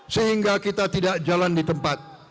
sehingga kita tidak jalan di tempat